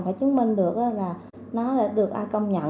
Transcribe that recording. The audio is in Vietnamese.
phải chứng minh được là nó được ai công nhận